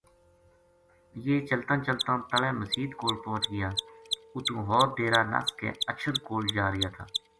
یہ چلتاں چلتاں تلے مسیت کول پوہچ گیا اُتوں ہور ڈیرا نَس کے اَچھر کول جا رہیا تھا